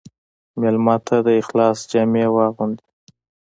مېلمه ته د اخلاص جامې واغوندې.